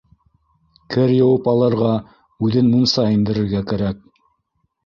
Кер йыуып алырға, үҙен мунса индерергә кәрәк.